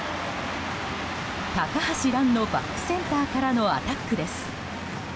高橋藍のバックセンターからのアタックです。